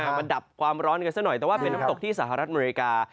มาดับความร้อนกันซะหน่อยแต่ว่าเป็นน้ำตกที่สหรัฐอเมริกา